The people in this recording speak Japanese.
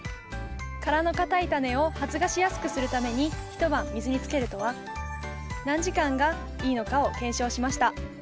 殻の硬いタネを発芽しやすくするために一晩水につけるとは何時間がいいのかを検証しました。